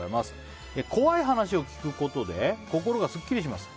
怖い話を聞くことで心がすっきりします。